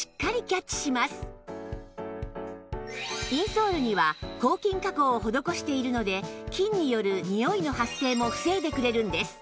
インソールには抗菌加工を施しているので菌によるニオイの発生も防いでくれるんです